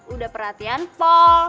udah perhatian paul